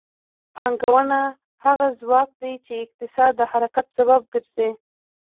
پانګونه هغه ځواک دی چې د اقتصاد د حرکت سبب ګرځي.